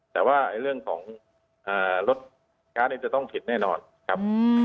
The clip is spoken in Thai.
แต่ว่าเรื่องของรถค้าจะต้องผิดแน่นอนครับ